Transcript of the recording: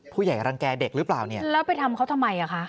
รังแก่เด็กหรือเปล่าเนี่ยแล้วไปทำเขาทำไมอ่ะคะ